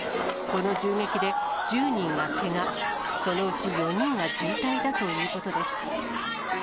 この銃撃で、１０人がけが、そのうち４人が重体だということです。